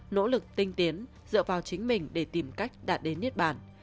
nỗ lực tinh tiến dựa vào chính mình để tìm cách đạt đến nhiết bàn